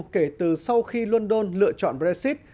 kể từ sau khi london lựa chọn brexit